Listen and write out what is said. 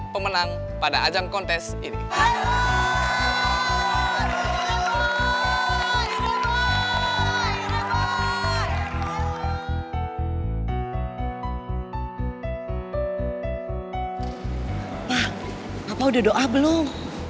pa papa udah doa belum